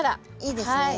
いいですね。